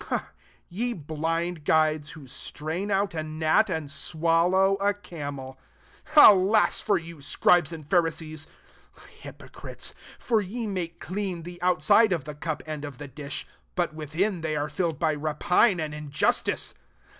24 Ye blind guides, who strain out a gnat, and swallow a camel ! 25 " Alas for you, scribes and Pharisees, hypocrites! for ye make clean the outside of the cup and of the dish ; but within they are filled by rapine and injustice.